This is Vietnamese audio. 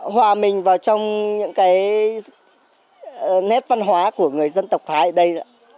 hòa mình vào trong những cái nét văn hóa của người dân tộc thái ở đây